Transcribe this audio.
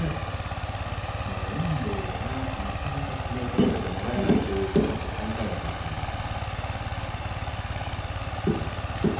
遠藤にとってはなかなか相撲を取らせてもらえないという過去３回の対戦です。